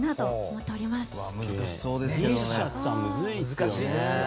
難しいですね。